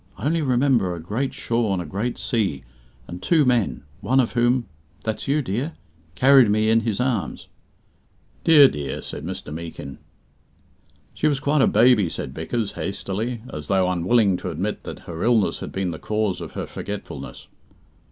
I only remember a great shore and a great sea, and two men, one of whom that's you, dear carried me in his arms." "Dear, dear," said Mr. Meekin. "She was quite a baby," said Vickers, hastily, as though unwilling to admit that her illness had been the cause of her forgetfulness.